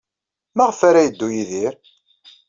Maɣef ara yeddu Yidir?